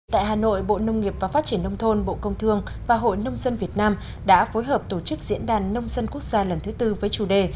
tại hà nội bộ nông nghiệp và phát triển nông thôn bộ công thương và hội nông dân việt nam đã phối hợp tổ chức diễn đàn nông dân quốc gia lần thứ tư với chủ đề